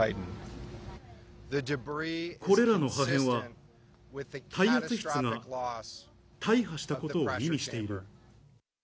これらの破片は、耐圧室が大破したことを意味している。